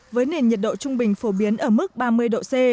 với nền nhiệt độ trung bình phổ biến ở mức ba mươi độ c